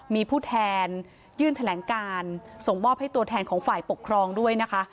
มีผู้แทนยื่นแถลงการส่งมอบให้ตัวแทนของฝ่ายปกครองด้วยนะคะ